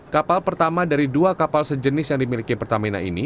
kapal pertama dari dua kapal sejenis yang dimiliki pertamina ini